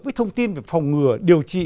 với thông tin về phòng ngừa điều trị